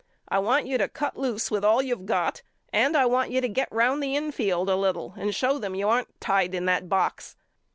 I want you to cut loose with all youVe got and I want you to get round the infield a little and show them you aren't tied in that box.